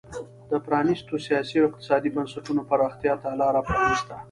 د پرانیستو سیاسي او اقتصادي بنسټونو پراختیا ته لار پرانېسته.